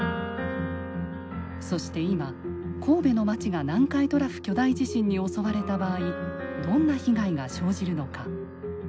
そして今、神戸の街が南海トラフ巨大地震に襲われた場合どんな被害が生じるのか。